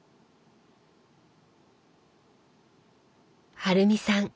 春美さん